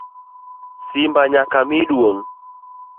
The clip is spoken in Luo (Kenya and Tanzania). Simba nyaka mi duong.